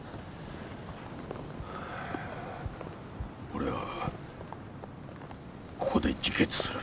俺はここで自決する。